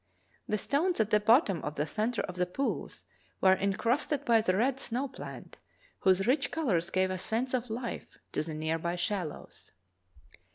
The stones at the bottom of the centre of the pools were incrusted by the red snow plant whose rich colors gave a sense of life to the near by shallows.